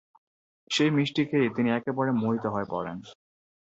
সেই মিষ্টি খেয়ে তিনি একেবারে মোহিত হয়ে পড়েন।